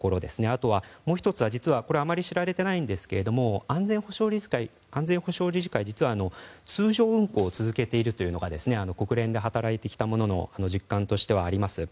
あとはもう１つは実はあまり知られていないんですが安全保障理事会実は、通常運行を続けているのが国連で働いてきた者の実感としてはあります。